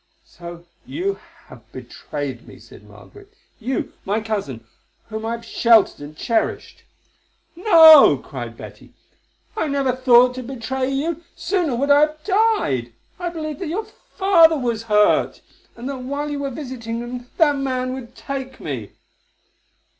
"So you have betrayed me," said Margaret, "you, my cousin, whom I have sheltered and cherished." "No," cried Betty. "I never thought to betray you; sooner would I have died. I believed that your father was hurt, and that while you were visiting him that man would take me."